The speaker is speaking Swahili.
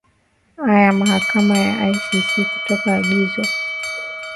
a ya mahakama ya icc kutoa agizo